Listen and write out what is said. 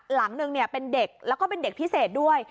หลังหนึ่งเป็นเด็กแล้วก็เป็นเด็กพิเศษด้วย